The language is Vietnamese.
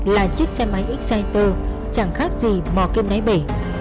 là chiếc xe máy exciter chẳng khác gì mò kim nấy bể